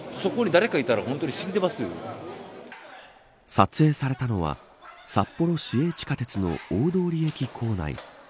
撮影されたのは札幌市営地下鉄の大通駅構内。